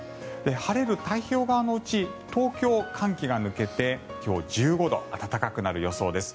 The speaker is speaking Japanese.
晴れる太平洋側のうち東京、寒気が抜けて今日は１５度暖かくなる予想です。